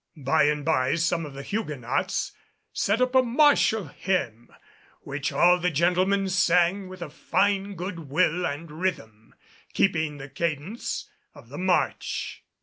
By and by some of the Huguenots set up a martial hymn, which all the gentlemen sang with a fine good will and rhythm, keeping the cadence of the march.